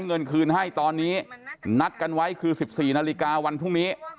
เงินคืนให้ตอนนี้นัดกันไว้คือ๑๔นาฬิกาวันพรุ่งนี้